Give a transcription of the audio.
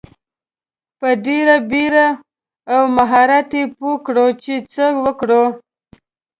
په ډیره بیړه او مهارت یې پوه کړو چې څه وکړو.